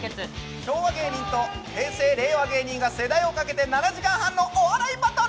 昭和芸人と平成・令和芸人が世代をかけて７時間半のお笑いバトル。